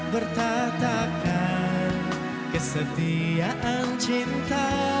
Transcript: bertatakan kesetiaan cinta